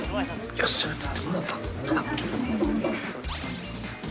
よし映ってもらった！